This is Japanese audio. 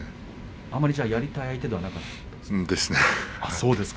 あまりやりたい相手ではないですか？